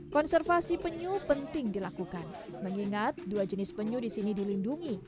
konservasi penyu penting dilakukan mengingat dua jenis penyu di sini dilindungi